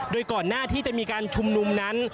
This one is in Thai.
โดยก่อนหน้าที่จะมีการชุมนุมนั้น